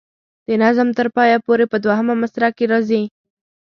د نظم تر پایه پورې په دوهمه مصره کې راځي.